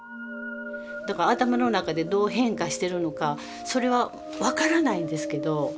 だから頭の中でどう変化してるのかそれは分からないんですけど。